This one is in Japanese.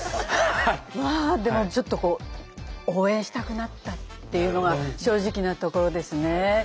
まあでもちょっとこう応援したくなったっていうのが正直なところですね。